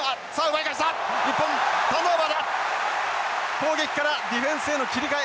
攻撃からディフェンスへの切り替え！